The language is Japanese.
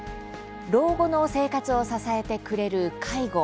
老後の生活を支えてくれる介護。